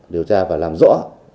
điều tra và làm rõ